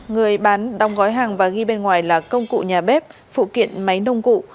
người bán đong gói hàng và ghi bên ngoài là công cụ nhà bếp phụ kiện máy nông cụ